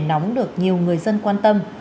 nóng được nhiều người dân quan tâm